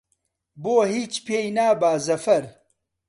بۆ هیچ پێی نابا زەفەرە